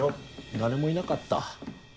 誰もいなかった。